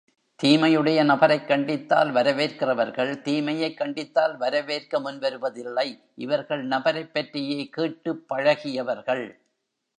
தீமையுடைய நபரைக் கண்டித்தால் வரவேற்கிறவர்கள், தீமையைக் கண்டித்தால் வரவேற்க முன்வருவதில்லை, இவர்கள் நபரைப் பற்றியே கேட்டுப் பழகியவர்கள்.